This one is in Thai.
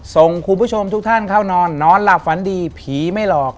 ส่งคุณผู้ชมทุกท่านเข้านอนนอนหลับฝันดีผีไม่หลอก